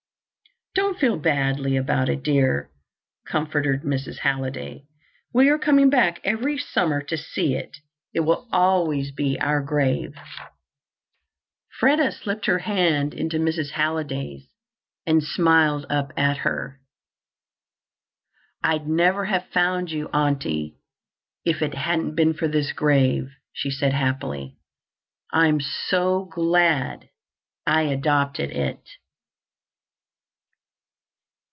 "Don't feel badly about it, dear," comforted Mrs. Halliday. "We are coming back every summer to see it. It will always be our grave." Freda slipped her hand into Mrs. Halliday's and smiled up at her. "I'd never have found you, Aunty, if it hadn't been for this grave," she said happily. "I'm so glad I adopted it."